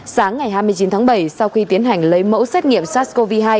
sáng ngày hai mươi chín tháng bảy sau khi tiến hành lấy mẫu xét nghiệm sars cov hai